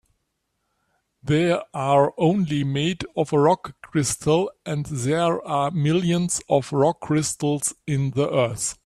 They're only made of rock crystal, and there are millions of rock crystals in the earth.